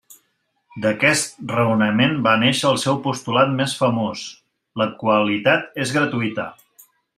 D'aquest raonament va néixer el seu postulat més famós: la qualitat és gratuïta.